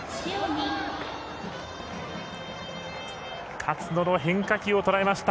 勝野の変化球をとらえました。